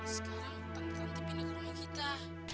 sekarang tante pindah rumah kita